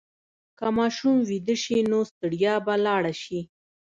که ماشوم ویده شي، نو ستړیا به لاړه شي.